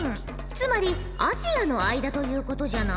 つまりアジアの間ということじゃな？